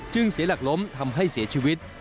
เสียหลักล้มทำให้เสียชีวิต